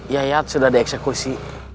yayat sudah dieksekusi